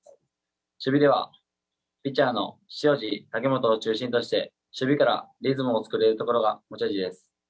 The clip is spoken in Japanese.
守備では、ピッチャーの塩路武元を中心として守備からリズムを作れるところが持ち味です。